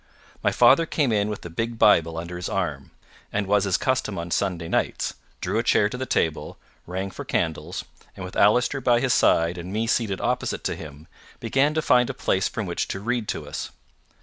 My father came in with the big Bible under his arm, as was his custom on Sunday nights, drew a chair to the table, rang for candles, and with Allister by his side and me seated opposite to him, began to find a place from which to read to us.